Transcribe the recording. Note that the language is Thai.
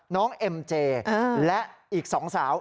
น้องเอ็มเจและอีกสองสาว